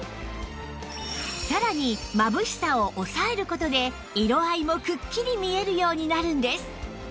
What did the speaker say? さらにまぶしさを抑える事で色合いもくっきり見えるようになるんです